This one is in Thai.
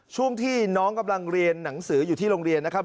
ช่วงที่น้องกำลังเรียนหนังสืออยู่ที่โรงเรียนนะครับ